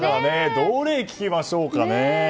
どれを聞きましょうかね。